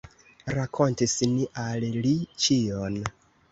Rakontis ni al li ĉion.